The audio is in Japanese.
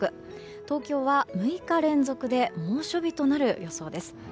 東京は６日連続で猛暑日となる予想です。